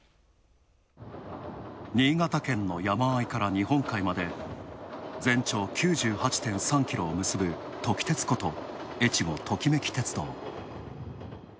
新潟県の山あいから日本海まで、全長９８．５ｋｍを結ぶ、トキ鉄こと、えちごトキめき鉄道。